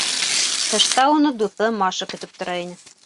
Тышта уны дуҫы Маша көтөп тора ине.